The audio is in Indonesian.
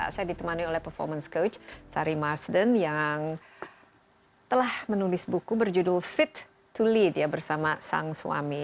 saya ditemani oleh performance coach sari marsden yang telah menulis buku berjudul fit to lead ya bersama sang suami